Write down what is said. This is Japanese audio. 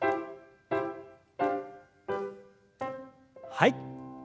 はい。